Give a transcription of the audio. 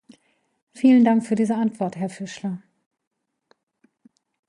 Vielen Dank für diese Antwort, Herr Fischler.